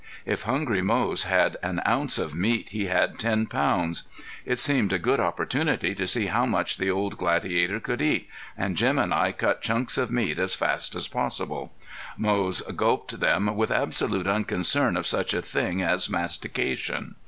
If hungry Moze had an ounce of meat, he had ten pounds. It seemed a good opportunity to see how much the old gladiator could eat; and Jim and I cut chunks of meat as fast as possible. Moze gulped them with absolute unconcern of such a thing as mastication.